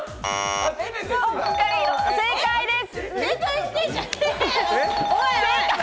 正解です！